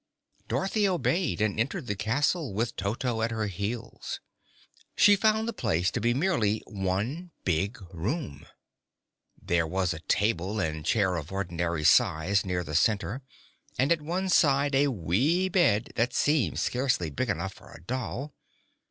Dorothy obeyed and entered the castle, with Toto at her heels. She found the place to be merely one big room. There was a table and chair of ordinary size near the center, and at one side a wee bed that seemed scarcely big enough for a doll.